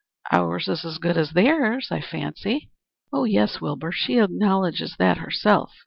Ours is as good as theirs, I fancy." "Oh yes, Wilbur. She acknowledges that herself.